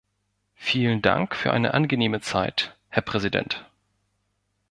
Vielen Dank für eine angenehme Zeit, Herr Präsident.